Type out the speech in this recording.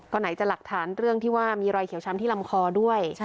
ก็ไหนจะหลักฐานเรื่องที่ว่ามีรอยเขียวช้ำที่ลำคอด้วย